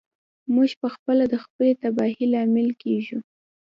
موږ پخپله د خپلې تباهۍ لامل کیږو.